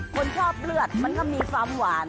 คนชอบเลือดมันก็มีความหวาน